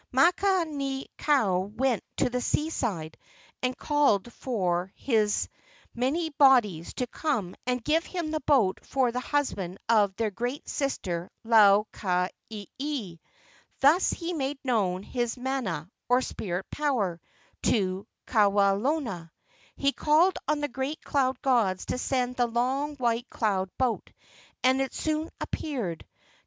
Maka¬ ni kau went to the seaside and called for his THE FRUIT OF THE LAHALA LA U KA IEIE 43 many bodies to come and give him the boat for the husband of their great sister Lau ka ieie. Thus he made known his mana, or spirit power, to Kawelona. He called on the great cloud gods to send the long white cloud boat, and it soon appeared.